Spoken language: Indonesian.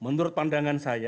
menurut pandangan saya